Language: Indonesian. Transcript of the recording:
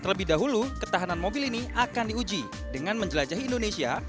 terlebih dahulu ketahanan mobil ini akan diuji dengan menjelajahi indonesia